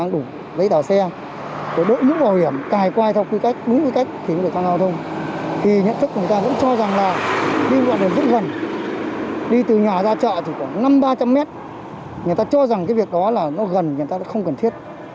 đi từ nhà ra chợ thì khoảng năm trăm linh ba trăm linh mét người ta cho rằng cái việc đó là nó gần người ta đã không cần thiết